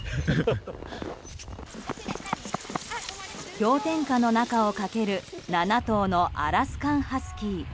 氷点下の中を駆ける７頭のアラスカンハスキー。